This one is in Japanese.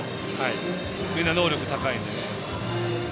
みんな能力高いので。